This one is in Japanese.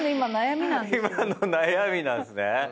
今の悩みなんすね。